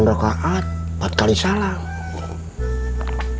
delapan rakaat empat kali salam